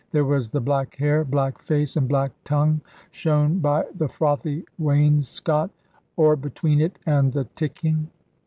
There was the black hair, black face, and black tongue, shown by the frothy wainscot, or between it and the ticking.